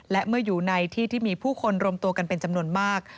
และเมื่ออยู่ในที่ที่มีผู้คนรวมตัวกันเป็นจำนวนมาก